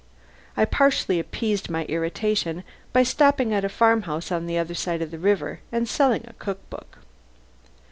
I partially appeased my irritation by stopping at a farmhouse on the other side of the river and selling a cook book.